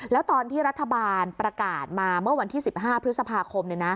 แล้วตอนที่รัฐบาลประกาศมาเมื่อวันที่๑๕พฤษภาคม